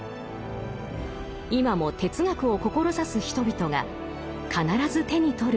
今も哲学を志す人々が必ず手に取る一冊です。